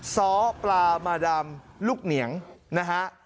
ซ้อปลามาดำลูกเหนียงนะฮะ